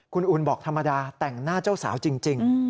คุณอุ่นบอกธรรมดาแต่งหน้าเจ้าสาวจริง